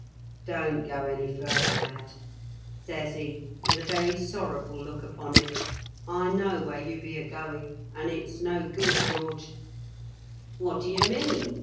"* Don't go any further, kd,' says he, with a very sorrowful look upon him. ' I know where you be a going, and it's no good, George.' "* What do you mean